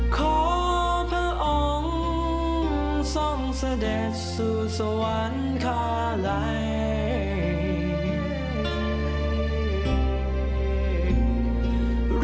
ขอพระองค์ทรงเสด็จสู่สวรรคาลัย